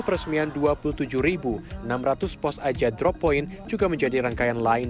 peresmian dua puluh tujuh enam ratus pos aja drop point juga menjadi rangkaian lain